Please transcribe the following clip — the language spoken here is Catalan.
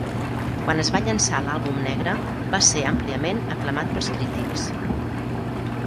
Quan es va llançar l'"àlbum negre", va ser àmpliament aclamat pels crítics.